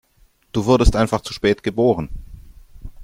Du wurdest einfach zu spät geboren.